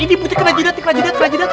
ini ustadz kena judat kena judat kena judat